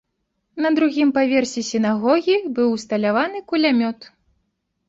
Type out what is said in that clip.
На другім паверсе сінагогі быў усталяваны кулямёт.